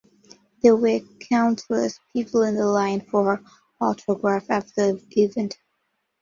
There were countless people in line for her autograph after the event.